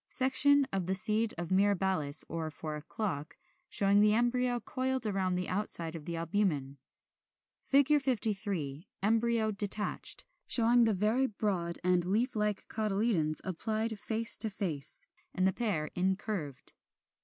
Section of the seed of Mirabilis or Four o'clock, showing the embryo coiled round the outside of the albumen. 53. Embryo detached; showing the very broad and leaf like cotyledons, applied face to face, and the pair incurved.